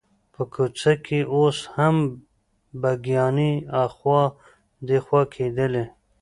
په کوڅه کې اوس هم بګیانې اخوا دیخوا کېدلې.